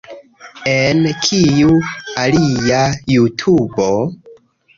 En kiu alia jutubo?